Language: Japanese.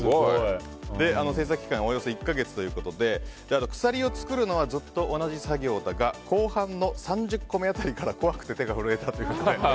制作期間はおよそ１か月ということで鎖を作るのはずっと同じ作業だが後半の３０個目辺りから怖くて、手が震えたということで。